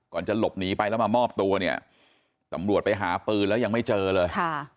จะหลบหนีไปแล้วมามอบตัวเนี่ยตำรวจไปหาปืนแล้วยังไม่เจอเลย